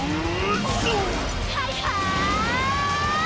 はいはい！